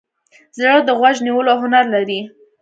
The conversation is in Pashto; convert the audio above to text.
زړه د غوږ نیولو هنر لري.